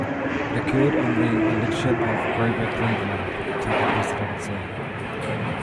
It occurred on the election of Grover Cleveland to the presidency.